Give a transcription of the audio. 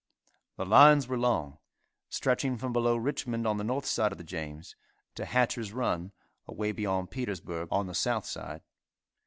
The lines were long, stretching from below Richmond, on the north side of the James, to Hatcher's run, away beyond Petersburg, on the south side.